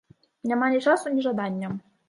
Няма ні часу, ні жадання.